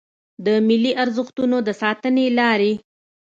د ملي ارزښتونو د ساتنې لارې